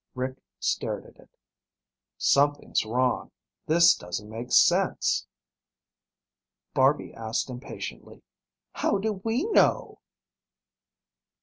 Rick stared at it. "Something's wrong. This doesn't make sense." Barby asked impatiently, "How do we know?"